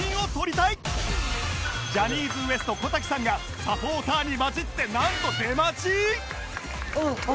ジャニーズ ＷＥＳＴ 小瀧さんがサポーターに交じってなんと出待ち！？